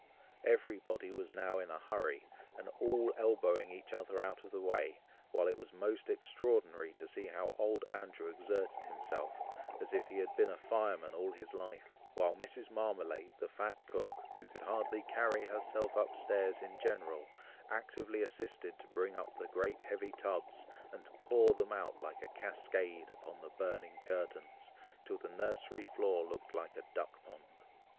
Every body was now in a hurry, and all elbowing each other out of the way, while it was most extraordinary to see how old Andrew exerted himself, as if he had been a fireman all his life, while Mrs. Marmalade, the fat cook, who could hardly carry herself up stairs in general, actively assisted to bring up the great heavy tubs, and to pour them out like a cascade upon the burning curtains, till the nursery floor looked like a duck pond.